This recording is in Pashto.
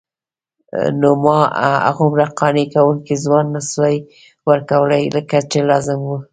نو ما هغومره قانع کوونکی ځواب نسوای ورکولای لکه چې لازم وو.